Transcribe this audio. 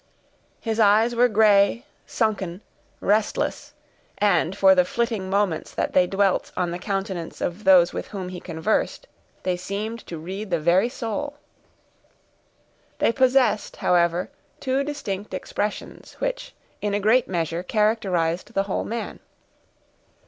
His eyes were gray, sunken, restless, and, for the flitting moments that they dwelt on the countenance of those with whom he conversed, they seemed to read the very soul. They possessed, however, two distinct expressions, which, in a great measure, characterized the whole man.